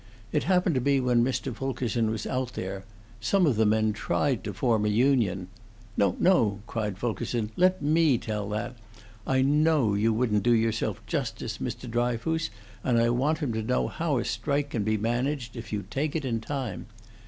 It happened to be when Mr. Fulkerson was out there. Some of the men tried to form a union " "No, no!" cried Fulkerson. "Let me tell that! I know you wouldn't do yourself justice, Mr. Dryfoos, and I want 'em to know how a strike can be managed, if you take it in time.